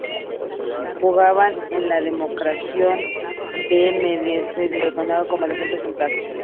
Jugaba en la demarcación de mediocentro defensivo, muy frecuentemente como defensa central.